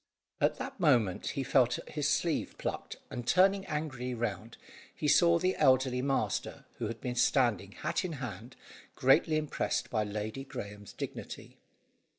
At that moment, he felt his sleeve plucked, and turning angrily round, he saw the elderly master, who had been standing hat in hand, greatly impressed by Lady Graeme's dignity.